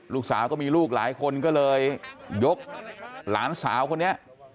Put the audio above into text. ลูกสาวก็มีลูกหลายคนก็เลยยกหลานสาวคนนี้